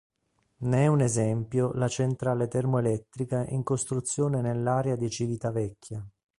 Ne è un esempio la centrale termoelettrica in costruzione nell'area di Civitavecchia.